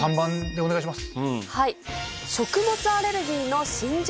お願いします。